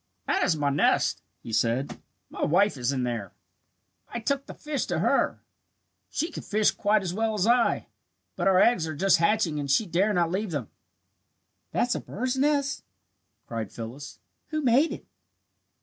"That is my nest," he said. "My wife is in there. I took the fish to her. She can fish quite as well as I, but our eggs are just hatching and she dare not leave them." "That a bird's nest?" cried Phyllis. "Who made it?"